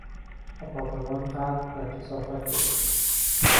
آپارتمان غرق در کثافت بود.